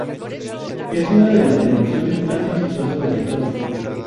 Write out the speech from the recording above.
Es una de las selecciones más exitosas de la historia.